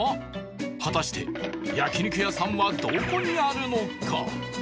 果たして焼肉屋さんはどこにあるのか？